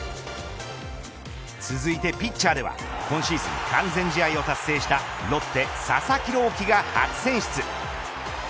続いてピッチャーでは今シーズン完全試合を達成したロッテ、佐々木朗希が初選出。